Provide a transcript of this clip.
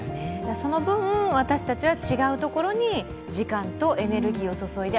その分、私たちは違うところに時間とエネルギーを注いで